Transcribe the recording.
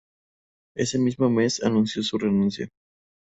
Ese mismo mes anunció su renuncia.